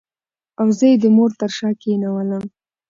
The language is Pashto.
او زه یې د مور تر شا کېنولم.